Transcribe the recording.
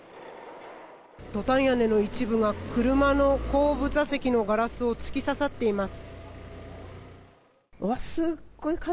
トタン屋根の一部が車の後部座席のガラスに突き刺さっています。